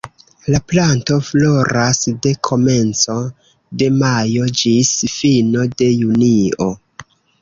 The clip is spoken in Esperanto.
La planto floras de komenco de majo ĝis fino de junio.